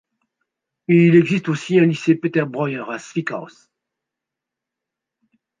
Il existe aussi un Lycée Peter Breuer à Zwickaus.